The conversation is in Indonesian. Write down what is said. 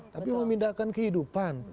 tapi memindahkan kehidupan